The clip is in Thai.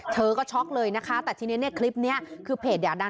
เธอก็ช็อกเลยนะคะแต่ที่ในคลิปเนี่ยคือเพจเดี๋ยวดัง